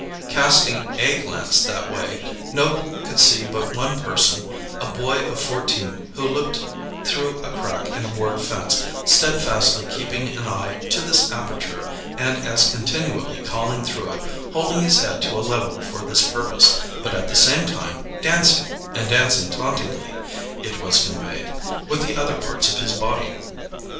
Casting a glance that way, Noble could see but one person; a boy of fourteen who looked through a crack in a board fence, steadfastly keeping an eye to this aperture and as continuously calling through it, holding his head to a level for this purpose, but at the same time dancing and dancing tauntingly, it was conveyed with the other parts of his body.